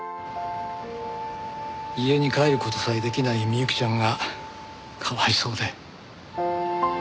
家に帰る事さえ出来ない美雪ちゃんがかわいそうで。